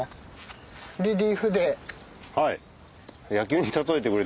はい。